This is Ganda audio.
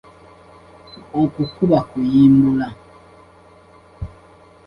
Okwo kuba kuyimbula.